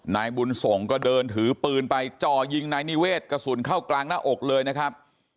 นายบุญส่งก็เดินถือปืนไปจ่อยิงนายนิเวศกระสุนเข้ากลางหน้าอกเลยนะครับ